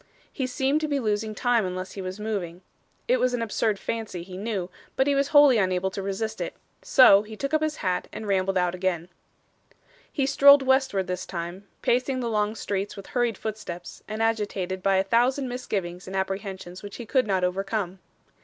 He seemed to be losing time unless he was moving. It was an absurd fancy, he knew, but he was wholly unable to resist it. So, he took up his hat and rambled out again. He strolled westward this time, pacing the long streets with hurried footsteps, and agitated by a thousand misgivings and apprehensions which he could not overcome.